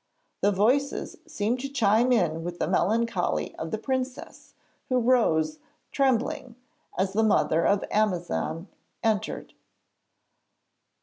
The voices seemed to chime in with the melancholy of the princess, who rose, trembling, as the mother of Amazan entered.